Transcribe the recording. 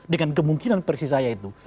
dengan kemungkinan persis saya itu